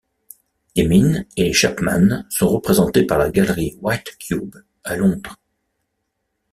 Emin et les Chapman sont représentés par la galerie White Cube à Londres.